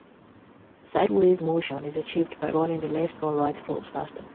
Sideways motion is achieved by running the left or right props faster.